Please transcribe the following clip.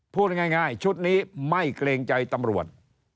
พูดง่ายชุดนี้ไม่เกรงใจตำรวจ